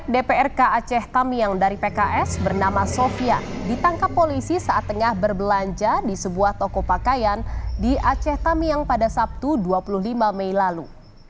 dprk aceh tamiang dari pks bernama sofia ditangkap polisi saat tengah berbelanja di sebuah toko pakaian di aceh tamiang pada sabtu dua puluh lima mei lalu